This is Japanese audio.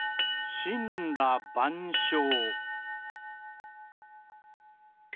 「しんらばんしょう」。